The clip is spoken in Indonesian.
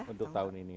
untuk tahun ini